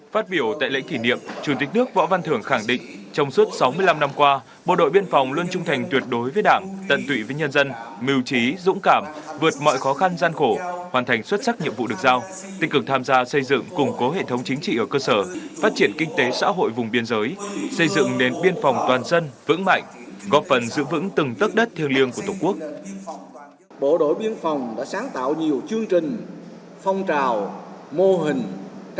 phát biểu tại lễ kỷ niệm chủ tịch nước võ văn thường khẳng định trong suốt sáu mươi năm năm qua bộ đội biên phòng luôn trung thành tuyệt đối với đảng tận tụy với nhân dân mưu trí dũng cảm vượt mọi khó khăn gian khổ hoàn thành xuất sắc nhiệm vụ được giao tích cực tham gia xây dựng củng cố hệ thống chính trị ở cơ sở phát triển kinh tế xã hội vùng biên giới xây dựng đến biên phòng toàn dân vững mạnh góp phần giữ vững từng tất đất thiêng liêng của tổng quốc